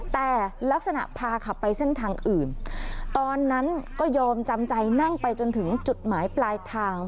แต่ลักษณะพาขับไปเส้นทางอื่นตอนนั้นก็ยอมจำใจนั่งไปจนถึงจุดหมายปลายทาง